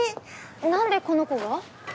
なんでこの子が？